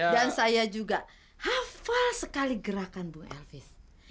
dan saya juga hafal sekali gerakan bung elfries